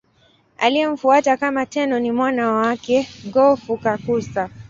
Aliyemfuata kama Tenno ni mwana wake Go-Fukakusa.